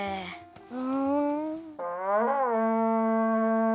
うん。